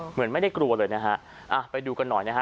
เหมือนไม่ได้กลัวเลยนะฮะอ่ะไปดูกันหน่อยนะฮะ